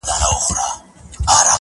په يوه گړي كي جوړه هنگامه سوه .!